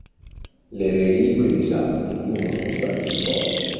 Le reliquie dei santi furono spostate più volte.